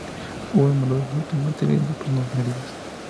Hubo numerosos daños materiales y dos personas heridas.